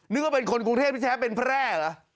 นึกว่าเป็นคนกรุงเทพที่แท้เป็นแพร่เหรอ